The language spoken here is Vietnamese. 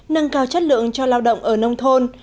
nâng cao chất lượng cho lao động ở nông thôn